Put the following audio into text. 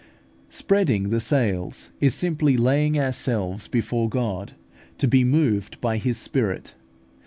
Spreading the sails is simply laying ourselves before God, to be moved by His Spirit.